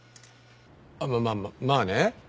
あっまあまあまあね。